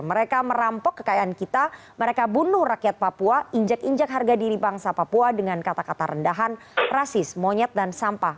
mereka merampok kekayaan kita mereka bunuh rakyat papua injak injak harga diri bangsa papua dengan kata kata rendahan rasis monyet dan sampah